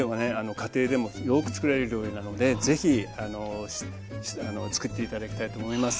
家庭でもよくつくられる料理なのでぜひつくって頂きたいと思います。